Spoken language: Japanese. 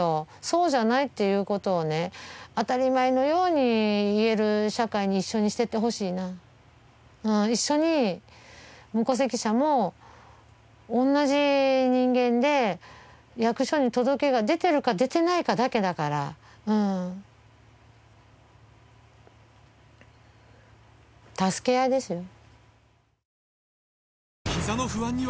そうじゃないっていうことをね当たり前のように言える社会に一緒にしてってほしいな一緒に無戸籍者も同じ人間で役所に届けが出てるか出てないかだけだから助け合いですよ